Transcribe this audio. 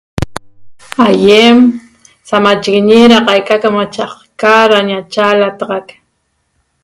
Aiem se machiguiñe da caica camachaca na iachalataxaq